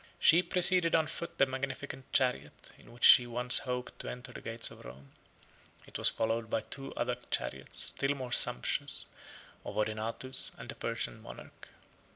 She preceded on foot the magnificent chariot, in which she once hoped to enter the gates of Rome. It was followed by two other chariots, still more sumptuous, of Odenathus and of the Persian monarch.